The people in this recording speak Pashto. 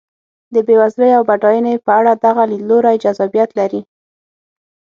د بېوزلۍ او بډاینې په اړه دغه لیدلوری جذابیت لري.